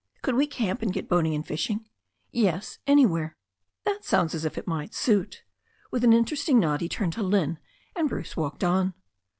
"Could we camp, and get boating and fishing?" "Yes, anywhere." "That sounds as if it might suit." With an interested nod he turned to Lynne, and Bruce walked on.